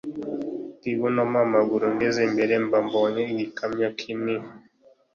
kibuno mpa maguru ngeze imbere mba mbonye igikamyo kini